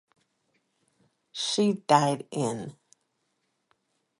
She died in.